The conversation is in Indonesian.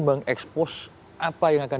mengekspos apa yang akan